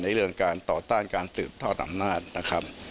เรื่องการต่อต้านการสืบทอดอำนาจนะครับ